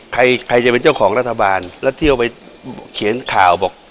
ใครใครจะเป็นเจ้าของรัฐบาลแล้วเที่ยวไปเขียนข่าวบอก